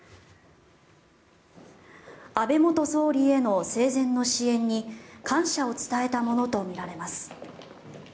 安倍元総理への生前の支援に感謝を伝えたものとみられます。